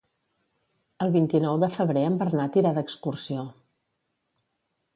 El vint-i-nou de febrer en Bernat irà d'excursió.